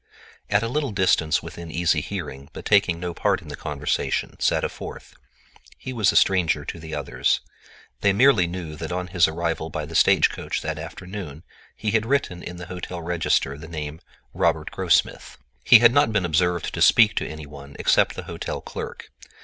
At a little distance, within easy hearing, but taking no part in the conversation, sat a fourth. He was a stranger to the others. They merely knew that on his arrival by the stage coach that afternoon he had written in the hotel register the name of Robert Grossmith. He had not been observed to speak to anyone except the hotel clerk.